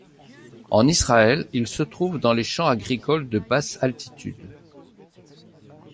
En Israël, il se trouve dans les champs agricoles de basse altitude.